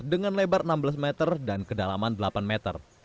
dengan lebar enam belas meter dan kedalaman delapan meter